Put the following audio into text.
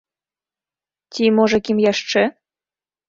Ці, можа, кім яшчэ?